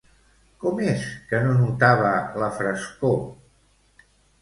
Com és que no notava la frescor?